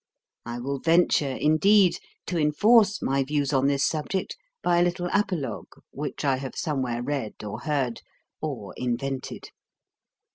I will venture, indeed, to enforce my views on this subject by a little apologue which I have somewhere read, or heard, or invented.